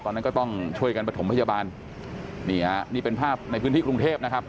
ตอนนั้นก็ต้องช่วยกันประถมพยาบาลนี่ฮะนี่เป็นภาพในพื้นที่กรุงเทพนะครับ